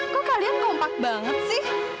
kok kalian kompak banget sih